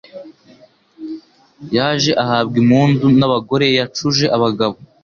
Yaje ahabwa impundu n'abagore yacuje abagabo!